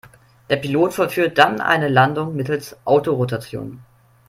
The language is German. Der Pilot vollführt dann eine Landung mittels Autorotation.